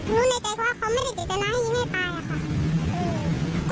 รู้ในใจเขาว่าเขาไม่ได้เจ็บใจนะให้ยิงให้ตายอะค่ะ